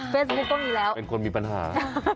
เป็นคนมีปัญหา